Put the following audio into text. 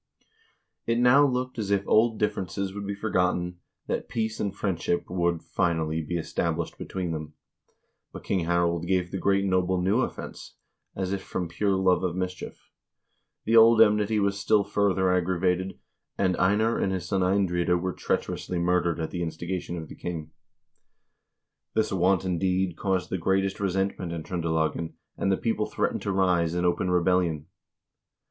It now looked as if old differences would be for gotten, that peace and friendship would, finally, be established be tween them. But King Harald gave the great noble new offense, as if from pure love of mischief. The old enmity was still further aggravated, and Einar and his son Eindride were treacherously murdered at the instigation of the king. This wanton deed caused the greatest resentment in Tr0ndelagen, and the people threatened to rise in open rebellion.